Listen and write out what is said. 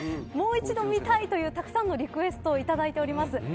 もう一度見たいというたくさんのリクエストを頂いてます。